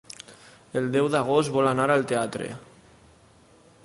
El deu d'agost vol anar al teatre.